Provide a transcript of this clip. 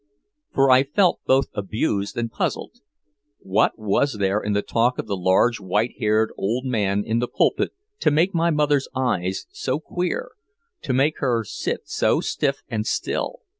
For I felt both abused and puzzled. What was there in the talk of the large white haired old man in the pulpit to make my mother's eyes so queer, to make her sit so stiff and still?